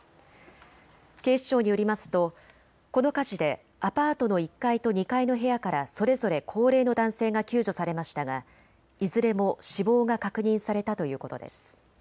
警視庁によりますとこの火事でアパートの１階と２階の部屋からそれぞれ高齢の男性が救助されましたがいずれも死亡が確認されたということです。